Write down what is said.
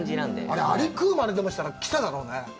あれ、アリ食うまねしたら来ただろうね。